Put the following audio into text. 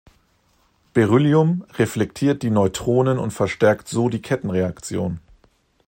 Beryllium reflektiert die Neutronen und verstärkt so die Kettenreaktion.